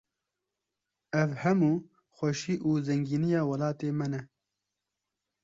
Ev hemû xweşî û zengîniya welatê me ne.